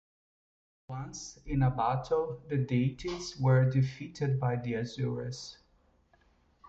Once, in a battle, the deities were defeated by the asuras.